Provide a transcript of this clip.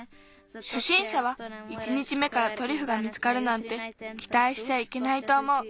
しょしんしゃは１日目からトリュフが見つかるなんてきたいしちゃいけないとおもう。